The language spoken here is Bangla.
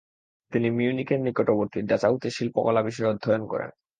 তিনি মিউনিখের নিকটবর্তী ডাচাউতে শিল্পকলা বিষয়ে অধ্যয়ন করেন।